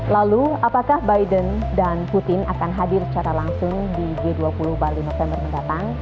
lalu apakah biden dan putin akan hadir secara langsung di g dua puluh bali november mendatang